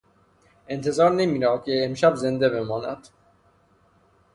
انتظار نمیرود که امشب زنده بماند.